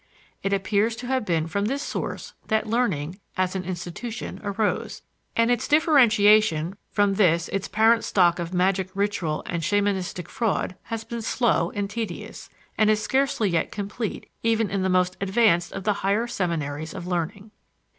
It appears to have been from this source that learning, as an institution, arose, and its differentiation from this its parent stock of magic ritual and shamanistic fraud has been slow and tedious, and is scarcely yet complete even in the most advanced of the higher seminaries of learning.